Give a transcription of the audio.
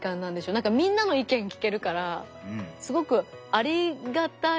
なんかみんなの意見聞けるからすごくありがたいですね。